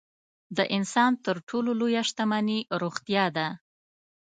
د انسان تر ټولو لویه شتمني روغتیا ده.